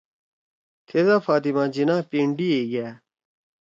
تھیدا فاطمہ جناح پینڈی ئے گأ